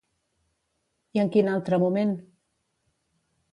I en quin altre moment?